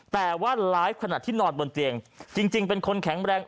แต่ว่าร้ายขนาดที่นอนบนเตียงจริงจริงเป็นคนแข็งแรง